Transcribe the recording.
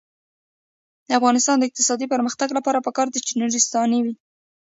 د افغانستان د اقتصادي پرمختګ لپاره پکار ده چې نورستاني وي.